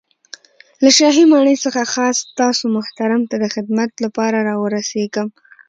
له شاهي ماڼۍ څخه خاص تاسو محترم ته د خدمت له پاره را ورسېږم.